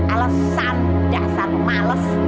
alasan dasar males